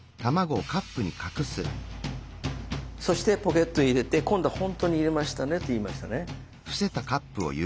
そしてポケットへ入れて「今度は本当に入れましたね」って言いましたね。